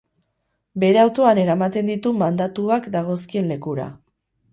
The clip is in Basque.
Bere autoan eramaten ditu mandatuak dagozkien lekura.